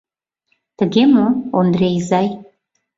Тыге мо, Ондре изай?